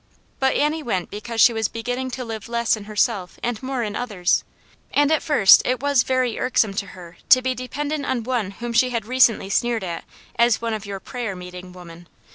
But Annie went because she was beginning to live less in herself and more in others, and at first it was very irksome to her to be de pendent on one whom she had recently sneered at as " one of your prayer meeting women."